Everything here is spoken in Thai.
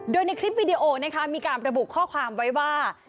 โดยในคลิปวิดีโอนะคะมีการระบุข้อความไว้ว่า